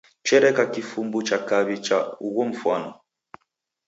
Chereka kifumbu cha kaw'i cha ugho mfwano.